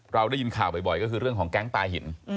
เราได้ยินข่าวบ่อยเรื่องของแก๊งตายหิน